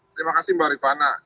terima kasih mbak rifana